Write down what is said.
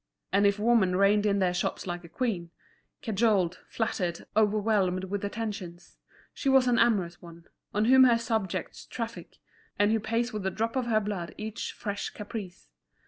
And if woman reigned in their shops like a queen, cajoled, flattered, overwhelmed with attentions, she was an amorous one, on whom her subjects traffic, and who pays with a drop of her blood each fresh caprice.